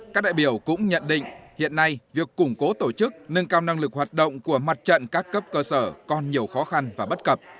các đại biểu cũng nhận định hiện nay việc củng cố tổ chức nâng cao năng lực hoạt động của mặt trận các cấp cơ sở còn nhiều khó khăn và bất cập